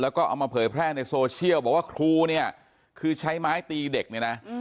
แล้วก็เอามาเผยแพร่ในโซเชียลบอกว่าครูเนี่ยคือใช้ไม้ตีเด็กเนี่ยนะ